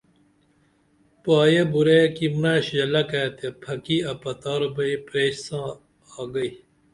پایہ بُرعیہ کی مرڇھ ژلکہ تے پھکی اپتار بئی پریش ساں آگئی